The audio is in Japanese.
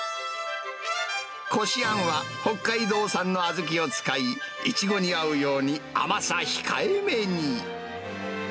こしあんは北海道産の小豆を使い、イチゴに合うように甘さ控えめに。